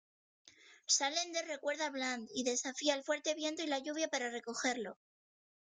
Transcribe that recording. Salander recuerda a Bland, y desafía el fuerte viento y la lluvia para recogerlo.